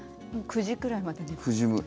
９時くらいまで寝ます。